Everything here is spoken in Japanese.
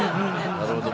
なるほど。